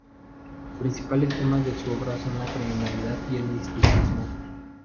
Los principales temas de su obra son la criminalidad y el misticismo.